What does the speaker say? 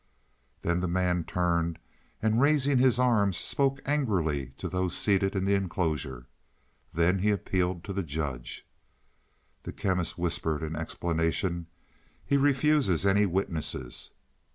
Then the man turned and raising his arms spoke angrily to those seated in the enclosure. Then he appealed to the judge. The Chemist whispered in explanation: "He refuses any witnesses."